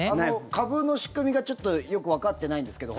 株の仕組みがよくわかってないんですけど